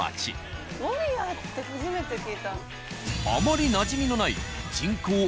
あまりなじみのない人口